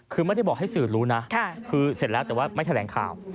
คือไม่ได้บอกให้สื่อรู้นะคือเสร็จแล้วแต่ว่าไม่แถลงข่าว